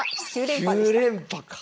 ９連覇か。